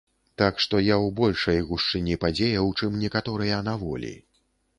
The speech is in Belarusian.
Так што я ў большай гушчыні падзеяў, чым некаторыя на волі.